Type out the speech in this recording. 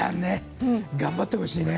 頑張ってほしいね。